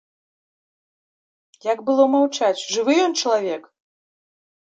Як было маўчаць, жывы ён чалавек?